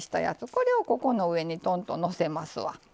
これをここの上にトンとのせますわ。